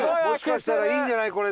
もしかしたらいいんじゃない？